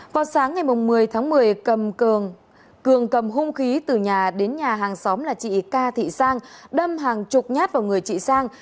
vào sáng ngày một mươi tháng một mươi cầm cường cầm hung khí từ nhà đến nhà hàng xóm là chị ca thị sang đâm hàng chục nhát vào người chị sang